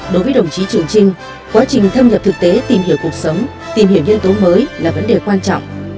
đối với đồng chí trường trinh quá trình thâm nhập thực tế tìm hiểu cuộc sống tìm hiểu nhân tố mới là vấn đề quan trọng